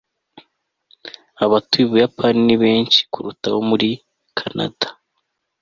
abatuye ubuyapani ni benshi kuruta abo muri kanada. (fanty